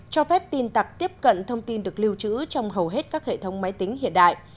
cho phép tin tặc tiếp cận thông tin được lưu trữ trong hầu hết các hệ thống máy tính hiện đại